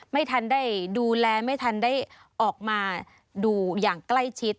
ไม่ทันได้ดูแลไม่ทันได้ออกมาดูอย่างใกล้ชิด